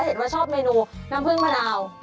เห็นว่าชอบไมนูน้ำพรึ่งมะนาว